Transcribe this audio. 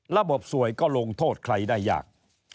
ระบบสวยก็ลงโทษใครได้ยาก